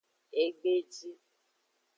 Egbeji.